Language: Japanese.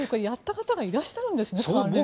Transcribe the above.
やった方がいらっしゃるんですね！